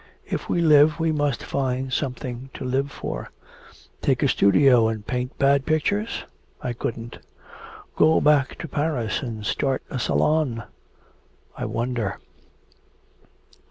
If we live we must find something to live for. Take a studio and paint bad pictures? I couldn't. Go back to Paris and start a salon? I wonder!'